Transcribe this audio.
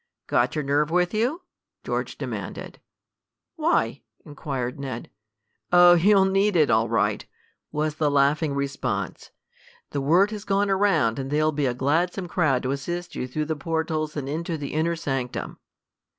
"Got your nerve with you?" George demanded. "Why?" inquired Ned. "Oh, you'll need it all right," was the laughing response. "The word has gone around and there'll be a gladsome crowd to assist you through the portals and into the inner sanctum."